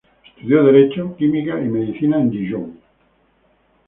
Estudió Derecho, Química y Medicina en Dijon.